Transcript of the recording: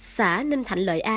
xã ninh thạnh lợi a